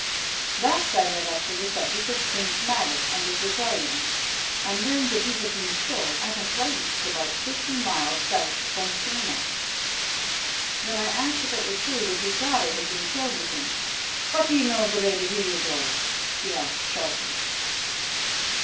Thus I led up to the subject of Prince Magas and his rebellion, and learned that he had been killed at a place about fifty miles south from Kurna. Then I asked if it were true that his daughter had been killed with him. "What do you know of the lady Heliodore?" she asked sharply.